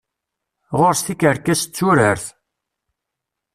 Ɣur-s tikerkas d turart.